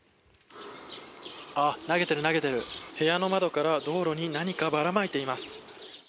投げてる、投げてる部屋の窓から道路に何かばらまいています。